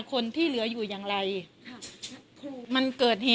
กินโทษส่องแล้วอย่างนี้ก็ได้